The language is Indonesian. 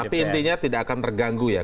tapi intinya tidak akan terganggu ya